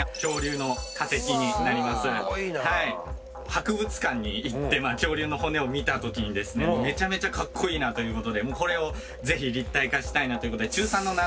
博物館に行ってまあ恐竜の骨を見た時にですねめちゃめちゃかっこいいなということでこれを是非立体化したいなということで中３の夏